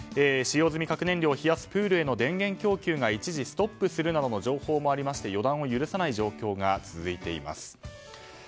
使用済み核燃料を冷やすプールへの電源供給が一時ストップするなどの情報もありまして予断を許さない状況が続いています。